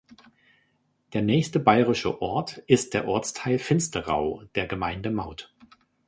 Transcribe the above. Der nächste bayerische Ort ist der Ortsteil Finsterau der Gemeinde Mauth.